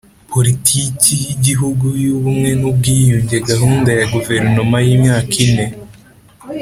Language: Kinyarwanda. Politiki y Igihugu y Ubumwe n Ubwiyunge Gahunda ya Guverinoma y Imyaka ine